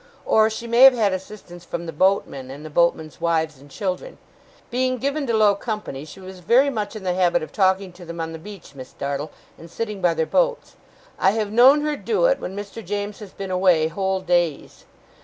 Or, she may have had assistance from the boatmen, and the boatmen's wives and children. Being given to low company, she was very much in the habit of talking to them on the beach, Miss Dartle, and sitting by their boats. I have known her do it, when Mr. James has been away, whole days.